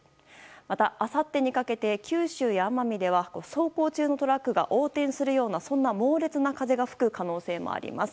また、あさってにかけて九州や奄美では走行中のトラックが横転するようなそんな猛烈な風が吹く可能性もあります。